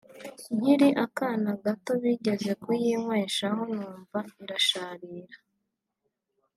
nkiri akana gato bigeze kuyinyweshaho numva irasharira